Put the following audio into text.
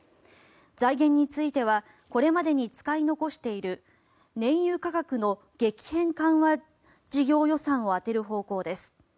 財源についてはこれまでに使い残している燃油価格の激変緩和事業予算を充てる方向です。